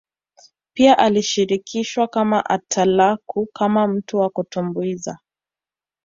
Pia alishirikishwa kama atalaku kama mtu wa kutumbuiza